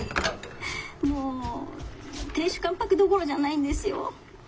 もう亭主関白どころじゃないんですよ。